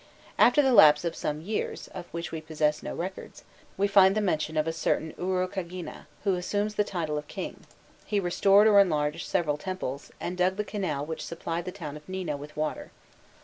After the lapse of some years, of which we possess no records, we find the mention of a certain Urukagina, who assumes the title of king: he restored or enlarged several temples, and dug the canal which supplied the town of Nina with water.